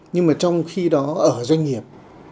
nhưng mà trong khi đó ở doanh nghiệp